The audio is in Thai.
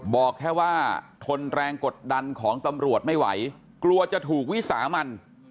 บอกแค่ว่าทนแรงกดดันของตำรวจไม่ไหวกลัวจะถูกวิสามัน